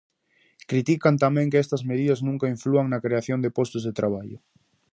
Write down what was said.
Critican tamén que estas medidas nunca inflúan na creación de postos de traballo.